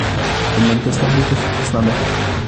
إن لم تستحي فاصنع ما تشاء.